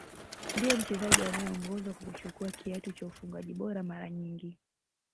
Ndiye mchezaji anayeongoza kwa kuchukua kiatu cha ufungaji bora mara nyingi